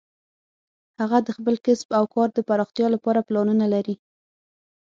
هغه د خپل کسب او کار د پراختیا لپاره پلانونه لري